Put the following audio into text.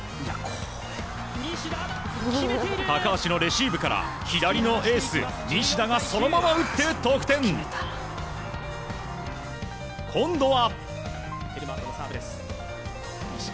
高橋のレシーブから左のエース西田がそのまま打って、得点！今度は。